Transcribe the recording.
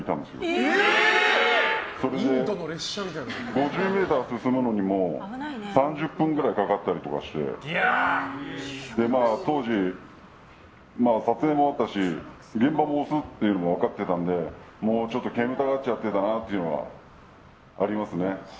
５０ｍ進むのに３０分ぐらいかかったりして当時、撮影もあったし現場も押すっていうのも分かってたので煙たがっちゃってたなっていうのはありましたね。